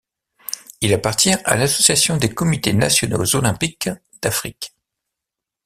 Il appartient à l'Association des comités nationaux olympiques d'Afrique.